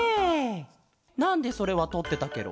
なんでそれはとってたケロ？